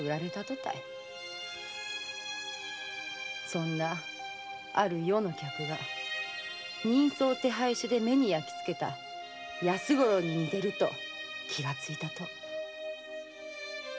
そんなある夜の客が人相手配書で目に焼きつけた安五郎に似てると気がついたと。